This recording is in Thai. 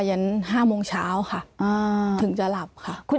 ยัน๕โมงเช้าค่ะถึงจะหลับค่ะ